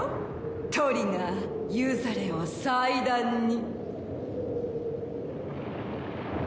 トリガーユザレを祭壇に。